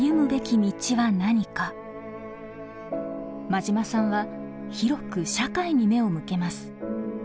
馬島さんは広く社会に目を向けます。